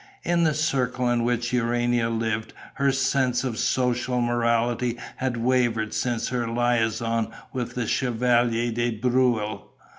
In the circle in which Urania lived, her sense of social morality had wavered since her liaison with the Chevalier de Breuil.